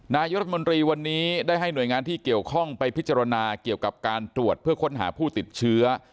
นายรัฐมนตรีวันนี้ได้ให้หน่วยงานที่เกี่ยวข้องไปพิจารณาเกี่ยวกับการตรวจเพื่อค้นหาผู้ติดเชื้อ